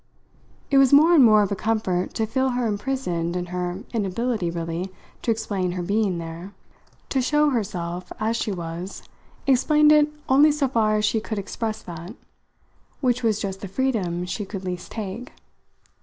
It was more and more of a comfort to feel her imprisoned in her inability really to explain her being there. To show herself as she was explained it only so far as she could express that; which was just the freedom she could least take.